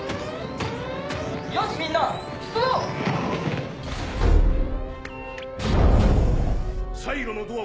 よしみんな出動！